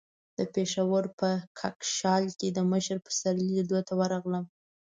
د پېښور په کاکشال کې د مشر پسرلي لیدو ته ورغلم.